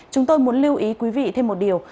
chúng tôi muốn lưu ý quý vị thêm một điều